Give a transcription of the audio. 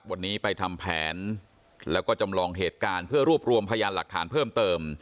วันนี้ไปทำแผนแล้วก็จำลองเหตุการณ์เพื่อรวบรวมพยานหลักฐานเพิ่มเติม